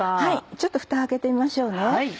ちょっとふた開けてみましょう。